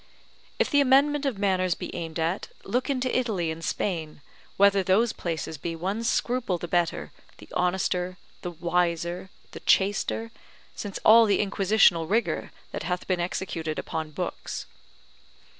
If the amendment of manners be aimed at, look into Italy and Spain, whether those places be one scruple the better, the honester, the wiser, the chaster, since all the inquisitional rigour that hath been executed upon books.